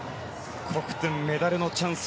コフトゥン、メダルのチャンス